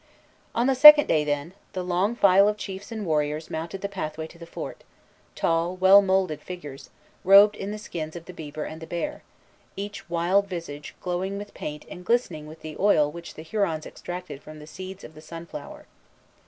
On the second day, then, the long file of chiefs and warriors mounted the pathway to the fort, tall, well moulded figures, robed in the skins of the beaver and the bear, each wild visage glowing with paint and glistening with the oil which the Hurons extracted from the seeds of the sunflower.